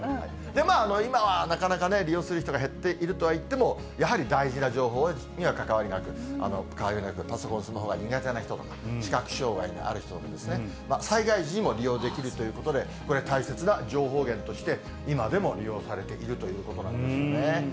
今はなかなかね、利用する人が減っているとはいっても、やはり大事な情報には変わりなく、パソコン、スマホが苦手な人、視覚障がいのある人がですね、災害時にも利用できるということで、これ、大切な情報源として今でも利用されているということなんですよね。